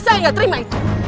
saya nggak terima itu